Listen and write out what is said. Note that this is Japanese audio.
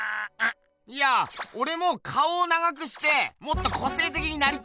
いやおれも顔を長くしてもっと個性的になりてえなって。